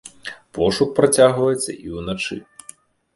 Пошук працягваецца і ўначы.